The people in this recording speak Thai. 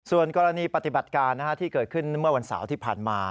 ส่วนกรณีปฏิบัติการที่เกิดขึ้นเมื่อวันเสาร์ที่ผ่านมา